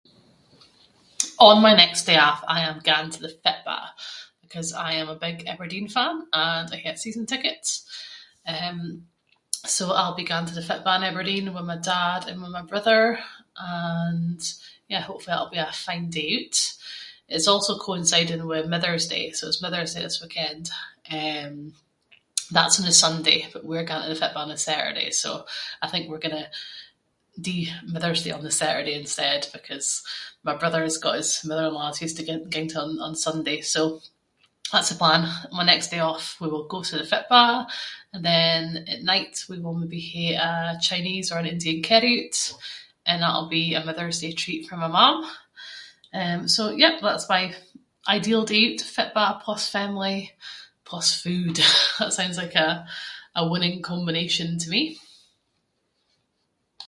On my next day off I’m going to the fitba’, ‘cause I am a big Aberdeen fan and I get season tickets. Eh so I’ll be going to the fitba’ in Aberdeen with my dad and with my brother, and yeah hopefully that’ll be a fine day oot. It’s also coinciding with Mother’s Day. So, it’s Mother’s Day this weekend, eh that’s on the Sunday, but we’re going to the fitba’ on the Saturday, so I think we’re going to do Mother’s Day on the Saturday instead, because my brother’s got his mother-in-law’s hoose to ging to on- on Sunday. So, that’s the plan, my next day off we will go to the fitba’, and then at night we will maybe hae a Chinese or an Indian carry-oot and that’ll be a Mother’s Day treat for my mam. Eh, so yeah that’s my ideal day oot, fitba’ plus family plus food. That sounds like a- a winning combination to me.